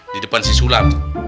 di depan si sulam